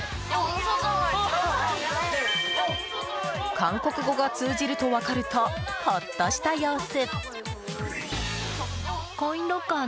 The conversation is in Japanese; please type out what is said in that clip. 韓国語が通じると分かるとほっとした様子。